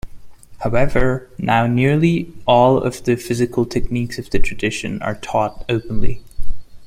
However, now nearly all of the physical techniques of the tradition are taught openly.